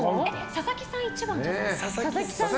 佐々木さん、１番じゃない？